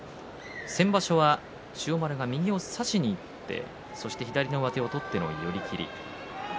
先場所は千代丸が右を差しにいってそして左の上手を取っての寄り切り。